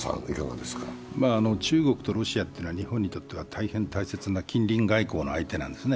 中国とロシアは日本にとっては大変大切な近隣外交の相手なんですね。